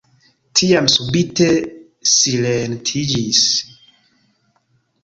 Tiam subite silentiĝis.